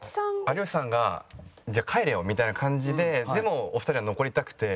有吉さんが「じゃあ帰れよ」みたいな感じででもお二人は残りたくて。